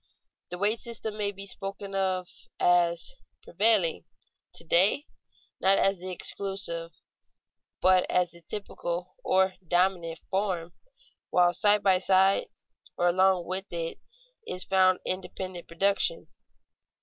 The wage system may be spoken of as prevailing to day not as the exclusive, but as the typical, or dominant, form, while side by side or along with it is found independent production.